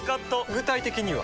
具体的には？